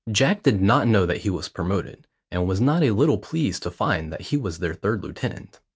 Jack did not know that he was promoted, and was not a little pleased to find that he was their third lieutenant.